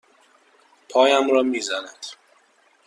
پایم را می زند.